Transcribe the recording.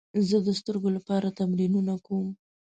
زه د سترګو لپاره تمرینونه کوم.